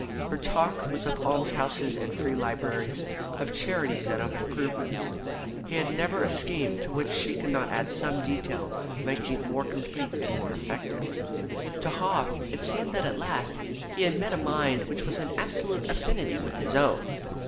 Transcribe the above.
Her talk was of almshouses and free libraries, of charities and of improvements. He had never a scheme to which she could not add some detail making it more complete and more effective. To Haw it seemed that at last he had met a mind which was in absolute affinity with his own.